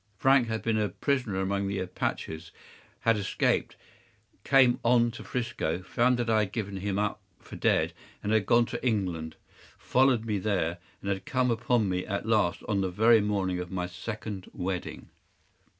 Frank had been a prisoner among the Apaches, had escaped, came on to ’Frisco, found that I had given him up for dead and had gone to England, followed me there, and had come upon me at last on the very morning of my second wedding.